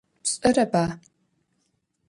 Пшӏэрэба?